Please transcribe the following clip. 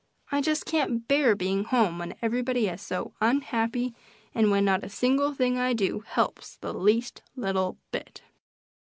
I just can't bear being home when everybody is so unhappy, and when not a single thing I do helps the least little bit!